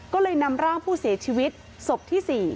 ก็เลยนำร่างผู้เสียชีวิตศพที่๔